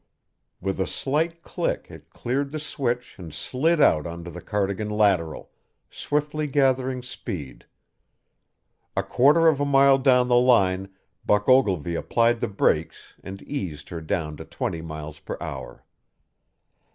With a slight click it cleared the switch and slid out onto the Cardigan lateral, swiftly gathering speed. A quarter of a mile down the line Buck Ogilvy applied the brakes and eased her down to twenty miles per hour.